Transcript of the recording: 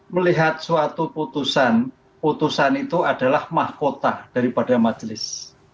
melihat suatu putusan putusan itu adalah mahkota daripada majelis